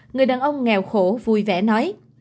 người đàn ông nghèo khổ vui vẻ nói